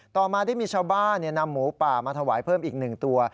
ต่อมาได้มีชาวบ้านนำหมูป่ามาถวายเพิ่มอีก๑ตัว